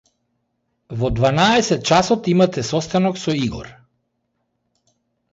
Во дванаесет часот имате состанок со Игор.